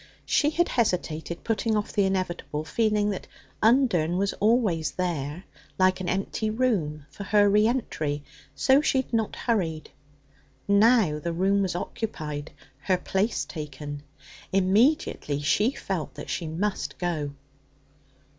She had hesitated, putting off the inevitable, feeling that Undern was always there, like an empty room, for her re entry, so she had not hurried. Now the room was occupied, her place taken. Immediately she felt that she must go.